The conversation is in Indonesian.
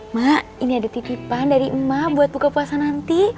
mak ini ada titipan dari emak buat buka puasa nanti